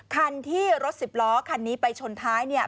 คันที่รถสิบล้อคันนี้ไปชนท้ายเนี่ย